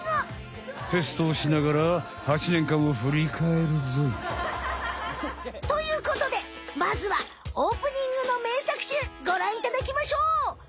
テストをしながら８ねんかんをふりかえるぞい！ということでまずはオープニングのめいさくしゅうごらんいただきましょう！